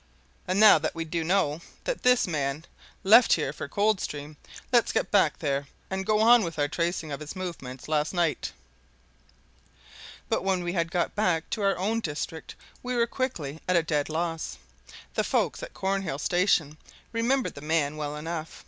And now that we do know that this man left here for Coldstream, let's get back there, and go on with our tracing of his movements last night." But when we had got back to our own district we were quickly at a dead loss. The folk at Cornhill station remembered the man well enough.